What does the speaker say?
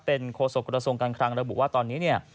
เป็นโฆษกระทรวงการคลังระบุว่าตอนนี้เนี่ย